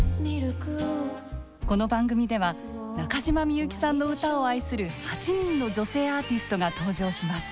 この番組では中島みゆきさんの歌を愛する８人の女性アーティストが登場します。